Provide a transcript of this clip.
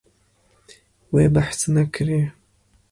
Wê behs nekiriye.